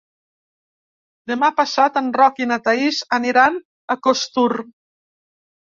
Demà passat en Roc i na Thaís aniran a Costur.